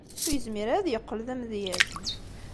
Ur yezmir ara ad yeqqel d amedyaz.